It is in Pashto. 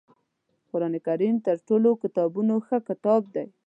قرآنکریم تر ټولو کتابونو ښه کتاب دی